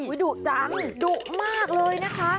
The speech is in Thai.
ดุจังดุมากเลยนะคะ